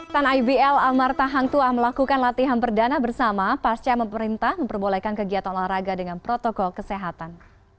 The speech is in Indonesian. tan ibl amar tahangtua melakukan latihan perdana bersama pasca pemerintah memperbolehkan kegiatan olahraga dengan protokol kesehatan